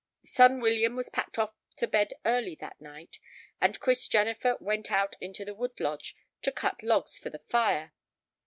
Son William was packed off to bed early that night, and Chris Jennifer went out into the wood lodge to cut logs for the fire.